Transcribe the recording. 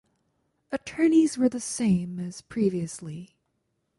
Attorneys were the same as previously.